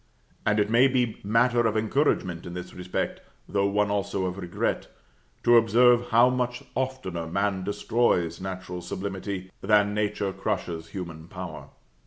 And it may be matter of encouragement in this respect, though one also of regret, to observe how much oftener man destroys natural sublimity, than nature crushes human power.